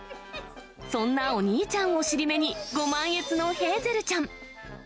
そんなお兄ちゃんを尻目に、ご満悦のヘーゼルちゃん。